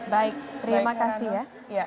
baik terima kasih ya